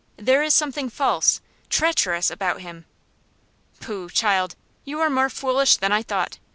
There is something false treacherous about him." "Pooh! child! you are more foolish than I thought.